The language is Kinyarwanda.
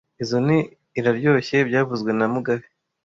Izoi fi iraryoshye byavuzwe na mugabe